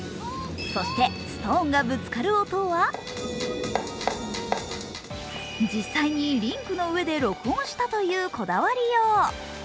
そしてストーンがぶつかる音は実際にリンクの上で録音したという、こだわりよう。